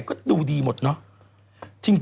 ก็ดูดีหมดเนอะ